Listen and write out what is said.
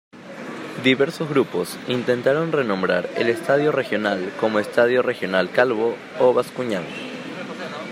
Diversos grupos intentaron renombrar el Estadio Regional como Estadio Regional Calvo y Bascuñán.